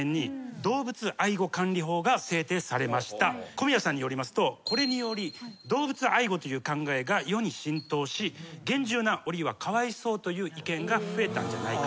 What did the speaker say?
小宮さんによりますとこれにより動物愛護という考えが世に浸透し厳重なおりはかわいそうという意見が増えたんじゃないか。